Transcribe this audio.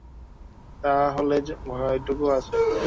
তা হলে ভয়টুকুও আছে!